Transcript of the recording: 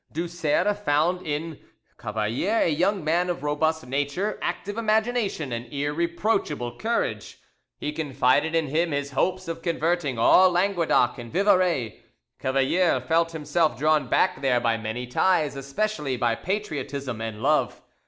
Du Serre found in Cavalier a young man of robust nature, active imagination, and irreproachable courage; he confided to him his hopes of converting all Languedoc and Vivarais. Cavalier felt himself drawn back there by many ties, especially by patriotism and love.